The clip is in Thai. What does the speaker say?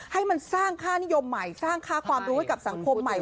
ให้มันสร้างค่านิยมใหม่สร้างค่าความรู้ให้กับสังคมใหม่